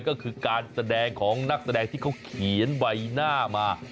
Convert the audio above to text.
ก็คือการแสดงของนักแสดงที่เขาเขียนใบหน้ามา